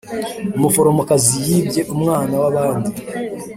umuforomokazi yibye umwana wabandi